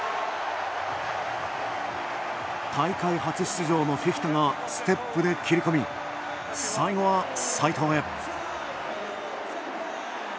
大会初出場のフィフィタがステップで切り込み最後は齋藤へ。